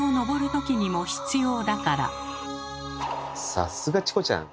さすがチコちゃん！